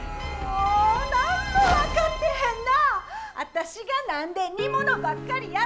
何も分かってへんな。